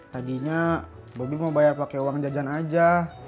tadinya bobi mau bayar pakai uang jajan aja